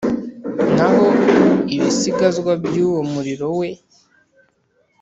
naho ibisigazwa by’uwo murimo we,